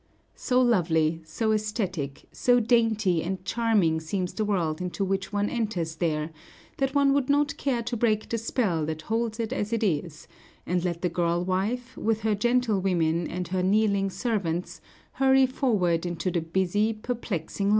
So lovely, so æsthetic, so dainty and charming seems the world into which one enters there, that one would not care to break the spell that holds it as it is, and let the girl wife, with her gentlewomen and her kneeling servants, hurry forward into the busy, perplexing life of to day.